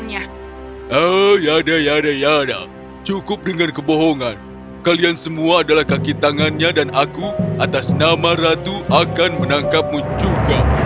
ya ada cukup dengan kebohongan kalian semua adalah kaki tangannya dan aku atas nama ratu akan menangkapmu juga